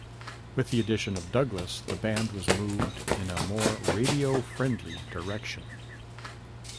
With the addition of Douglas, the band was moved in a more radio-friendly direction.